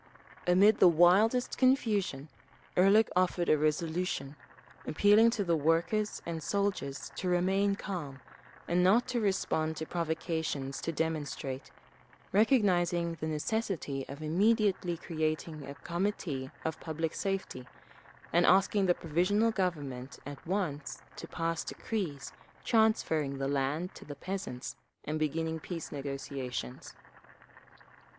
Amid the wildest confusion Ehrlich offered a resolution, appealing to the workers and soldiers to remain calm and not to respond to provocations to demonstrate, recognising the necessity of immediately creating a Committee of Public Safety, and asking the Provisional Government at once to pass decrees transferring the land to the peasants and beginning peace negotiations….